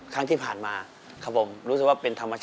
ครั้งที่ผ่านมาครับผม